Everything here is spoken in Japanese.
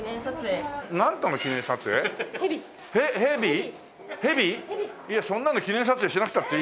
そんなの記念撮影しなくたっていいよ別に。